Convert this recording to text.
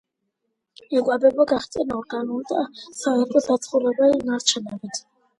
იკვებება გახრწნილი ორგანული და საერთო საცხოვრებელი ნარჩენებით.